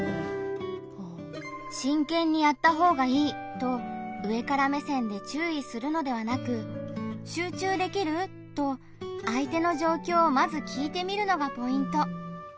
と上から目線で注意するのではなく「集中できる？」と相手の状況をまず聞いてみるのがポイント。